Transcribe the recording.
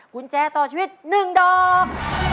กุญแจต่อชีวิต๑ดอก